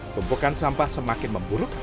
tumpukan sampah semakin memburuk